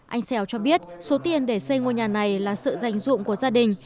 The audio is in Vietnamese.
anh xèo cho biết số tiền để xây ngôi nhà này là sự dành dụng của gia đình